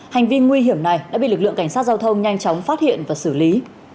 hành vi nguy hiểm này đã bị lực lượng cảnh sát giao thông nhanh chóng phát hiện và xử lý